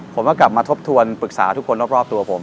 ผมก็กลับมาทบทวนปรึกษาทุกคนรอบตัวผม